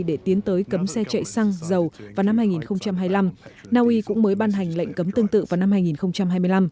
để tiến tới cấm xe chạy xăng dầu vào năm hai nghìn hai mươi năm naui cũng mới ban hành lệnh cấm tương tự vào năm